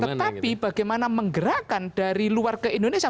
tetapi bagaimana menggerakkan dari luar ke indonesia